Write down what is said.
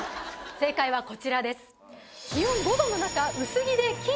正解はこちらです